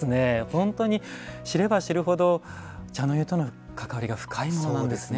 本当に知れば知るほど茶の湯との関わりが深いものなんですね。